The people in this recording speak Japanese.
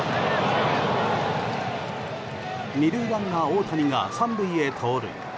２塁ランナー大谷が３塁へ盗塁。